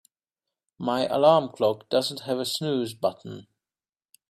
My alarm clock doesn't have a snooze button.